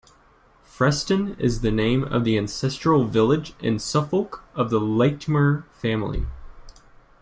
Freston is the name of the ancestral village in Suffolk of the Latymer family.